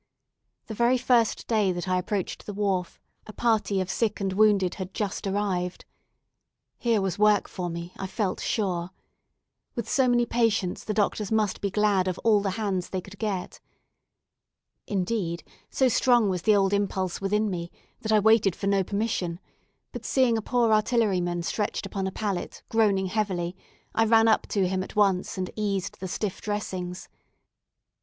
The very first day that I approached the wharf, a party of sick and wounded had just arrived. Here was work for me, I felt sure. With so many patients, the doctors must be glad of all the hands they could get. Indeed, so strong was the old impulse within me, that I waited for no permission, but seeing a poor artilleryman stretched upon a pallet, groaning heavily, I ran up to him at once, and eased the stiff dressings.